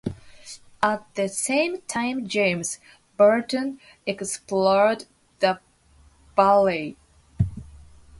At the same time James Burton explored the valley.